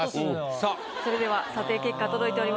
それでは査定結果届いております。